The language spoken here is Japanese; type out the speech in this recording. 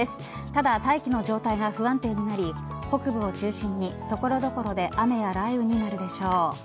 ただ大気の状態が不安定になり北部を中心に所々で雨や雷雨になるでしょう。